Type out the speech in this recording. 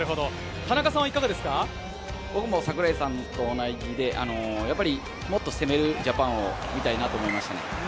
僕も櫻井さんと同じで、やっぱりもっと攻めるジャパンを見たいなと思いましたね。